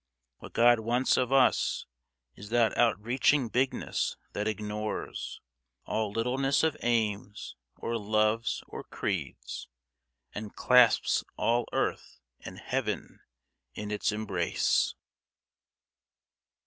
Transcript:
What God wants of us Is that outreaching bigness that ignores All littleness of aims, or loves, or creeds, And clasps all Earth and Heaven in its embrace.